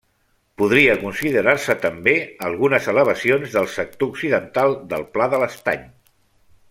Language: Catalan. Podria considerar-se també algunes elevacions del sector occidental del Pla de l'Estany.